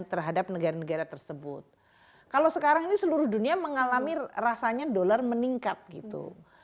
terhadap negara negara tersebut kalau sekarang ini seluruh dunia mengalami rasanya dolar meningkat gitu